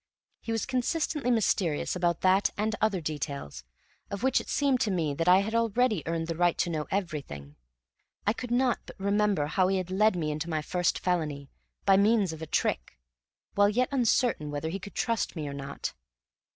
He was consistently mysterious about that and other details, of which it seemed to me that I had already earned the right to know everything. I could not but remember how he had led me into my first felony, by means of a trick, while yet uncertain whether he could trust me or not.